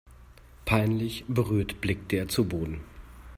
Peinlich berührt blickte er zu Boden.